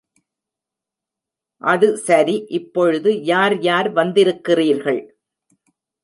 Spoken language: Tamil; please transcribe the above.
அது சரி இப்பொழுது யார் யார் வந்திருக்கிறீர்கள்.